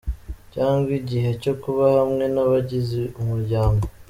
cyangwa igihe cyo kuba hamwe n'abagize umuryango"